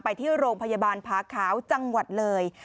ไปที่โรงพยาบาลผาขาวจังหวัดเลย